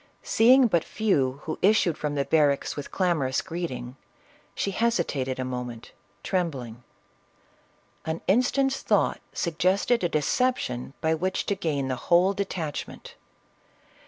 Seeing but few who issued from the barracks with clamorous greeting, she hesitated a moment, trembling ; an instant's thought suggested a deception by which to gain the whole de tachment.